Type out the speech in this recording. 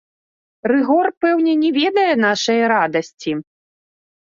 Рыгор, пэўне, не ведае нашае радасці?